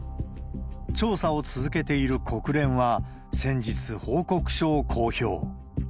調査を続けている国連は先日、報告書を公表。